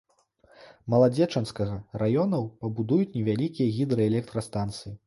Маладзечанскага раёнаў пабудуюць невялікія гідраэлектрастанцыі.